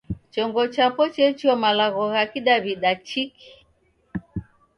Chongo chapo chechua malagho gha Kidaw'ida chiki.